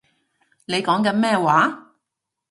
你講緊咩話